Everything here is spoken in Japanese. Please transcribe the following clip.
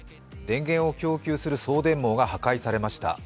電源を供給する送電網が破壊されました。